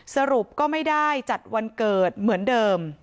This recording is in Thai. สรุปก็ไม่ได้จัดวันเกิดเหมือนเดิม